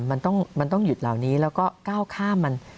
มันต้องหยุดเหล่านี้แล้วก็ก้าวข้ามมัน